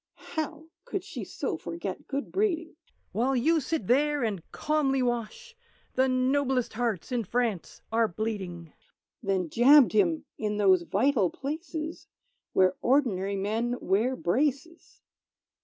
(How could she so forget good breeding?) "While you sit there and calmly wash, The noblest hearts in France are bleeding!" Then jabbed him in those vital places Where ordinary men wear braces!